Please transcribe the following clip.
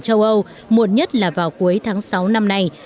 châu âu muộn nhất là vào cuối tháng sáu năm nay